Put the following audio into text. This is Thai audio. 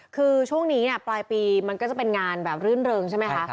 คือช่วงนี้ปลายปีมันก็จะเป็นงานแบบรื่นเริงใช่ไหมคะ